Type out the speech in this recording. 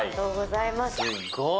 すっごい。